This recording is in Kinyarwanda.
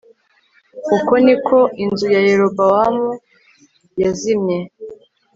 Uko ni ko inzu ya Yerobowamu yazimye